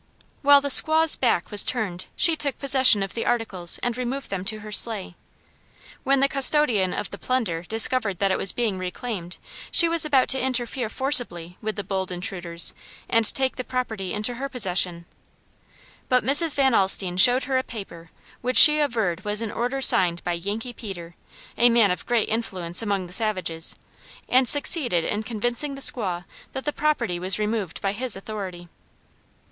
While the squaw's back was turned she took possession of the articles and removed them to her sleigh. When the custodian of the plunder discovered that it was being reclaimed, she was about to interfere forcibly with the bold intruders and take the property into her possession. But Mrs. Van Alstine showed her a paper which she averred was an order signed by "Yankee Peter," a man of great influence among the savages, and succeeded in convincing the squaw that the property was removed by his authority.